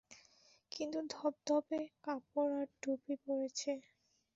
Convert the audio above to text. কিন্তু ধপধপে কাপড় আর টুপি পরেছে।